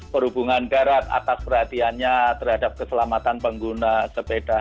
perhubungan darat atas perhatiannya terhadap keselamatan pengguna sepeda